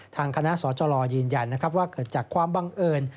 ทางคณะสจยืนยันว่าเกิดจากความบังเอิญ